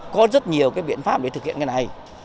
có rất nhiều cái biện pháp để thực hiện cái này